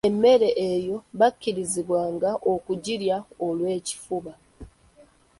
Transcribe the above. Emmere eyo bakkirizibwanga okugirya olw’ekifuba.